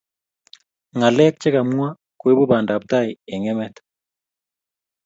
Ngalek chekamwa koibu bandaptai eng emet